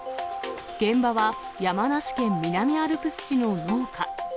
現場は山梨県南アルプス市の農家。